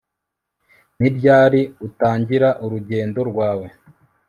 Ni ryari utangira urugendo rwawe